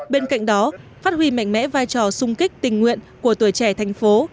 bên cạnh đó phát huy mạnh mẽ vai trò sung kích tình nguyện của tuổi trẻ thành phố